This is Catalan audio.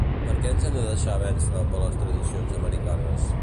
Perquè ens hem de deixar vèncer per les tradicions americanes?